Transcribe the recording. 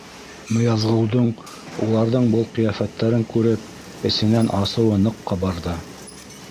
Ныязғолдоң, уларҙың был ҡиәфәттәрен күреп, эсенән асыуы ныҡ ҡабарҙы.